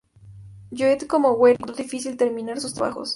Goethe, como Werther, encontró difícil terminar sus trabajos.